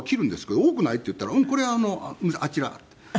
「多くない？」って言ったら「うん。これあちら」って。